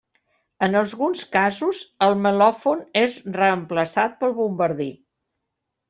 En alguns casos el melòfon és reemplaçat pel bombardí.